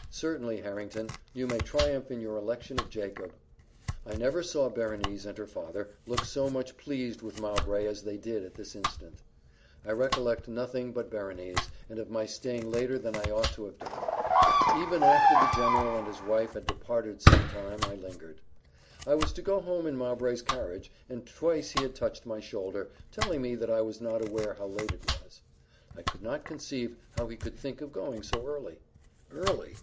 Certainly, Harrington, you may triumph in your election of Jacob." I never saw Berenice and her father look so much pleased with Mowbray as they did at this instant. Of the remainder of the evening I recollect nothing but Berenice, and of my staying later than I ought to have done. Even after the general and his wife had departed some time, I lingered. I was to go home in Mowbray's carriage, and twice he had touched my shoulder, telling me that I was not aware how late it was. I could not conceive how he could think of going so early. "Early!"